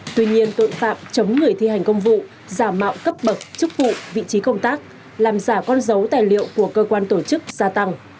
tuy nhiên tội phạm chống người thi hành công vụ giả mạo cấp bậc chức vụ vị trí công tác làm giả con dấu tài liệu của cơ quan tổ chức gia tăng